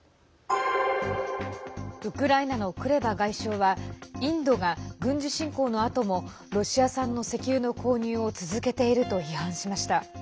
ウクライナのクレバ外相はインドが軍事侵攻のあともロシア産の石油の購入を続けていると批判しました。